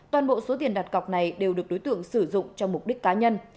toàn bộ số tiền đặt cọc này đều được đối tượng sử dụng cho mục đích cá nhân